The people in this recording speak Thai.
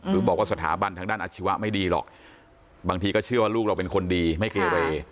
หรือบอกว่าสถาบันทางด้านอาชีวะไม่ดีหรอกบางทีก็เชื่อว่าลูกเราเป็นคนดีไม่เกเร